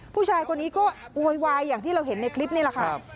ผู้ชายคนนี้ก็โวยวายอย่างที่เราเห็นในคลิปนี่แหละค่ะ